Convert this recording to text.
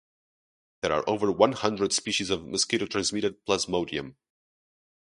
There are over one hundred species of mosquito-transmitted "Plasmodium".